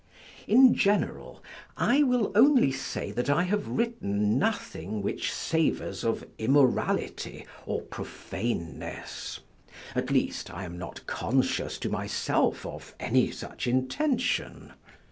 In general, I will only say that I have written nothing which savors of immorality or profaneness; at least, I am not conscious to myself of any such intention.